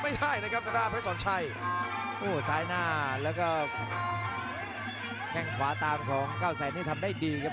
เพชรศัลชัยพยายามจะเอาคืนด้วยเข่าแล้วครับ